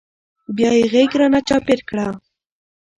بيا يې غېږ رانه چاپېره کړه.